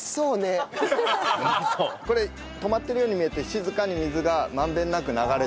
これ止まっているように見えて静かに水がまんべんなく流れてるんですよ。